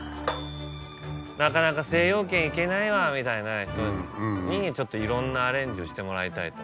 なかなか精養軒行けないわみたいな人にちょっといろんなアレンジをしてもらいたいと。